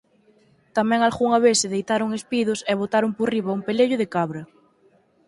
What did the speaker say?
Tamén algunha vez se deitaron espidos e botaron por riba un pelello de cabra.